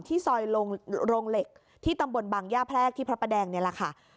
ซอยโรงเหล็กที่ตำบลบางย่าแพรกที่พระประแดงนี่แหละค่ะ